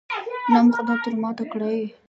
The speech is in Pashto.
نام خدای، تر ما تکړه یې.